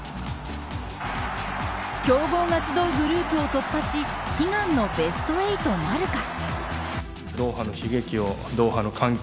強豪が集うグループを突破し悲願のベスト８なるか。